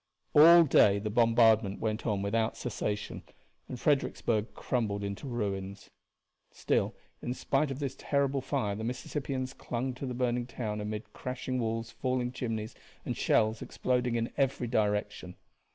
All day the bombardment went on without cessation and Fredericksburg crumbled into ruins. Still, in spite of this terrible fire the Mississippians clung to the burning town amid crashing walls, falling chimneys, and shells exploding in every direction.